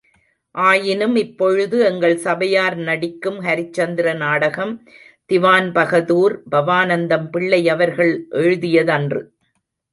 ஆயினும் இப்பொழுது எங்கள் சபையார் நடிக்கும் ஹரிச்சந்திர நாடகம், திவான் பஹதூர் பவாநந்தம் பிள்ளை அவர்கள் எழுதியதன்று.